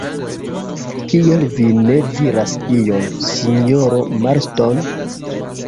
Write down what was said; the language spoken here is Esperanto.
Kial vi ne diras ion, sinjoro Marston?